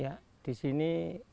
ya di sini